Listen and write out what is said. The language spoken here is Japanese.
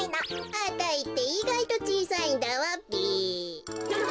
あたいっていがいとちいさいんだわべ。